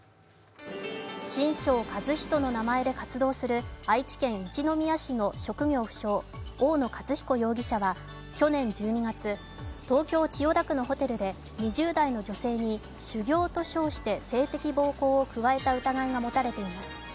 神生一人の名前で活動する愛知県一宮市の職業不詳、大野勝彦容疑者は去年１２月、東京・千代田区のホテルで、２０代の女性に修行と称して性的暴行を加えた疑いが持たれています。